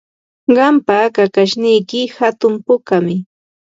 Qampa kakashniyki hatun pukami.